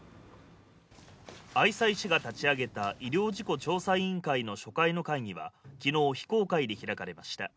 愛西市が立ち上げた医療事故調査委員会の初回の会議は昨日、非公開で開かれました。